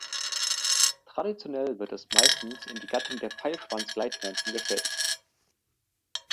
Traditionell wird es meistens in die Gattung der Pfeilschwanz-Gleithörnchen gestellt.